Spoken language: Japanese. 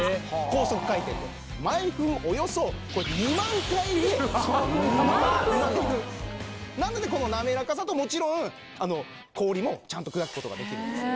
高速回転で毎分およそ２万回転なのでこのなめらかさともちろん氷もちゃんと砕くことができるんです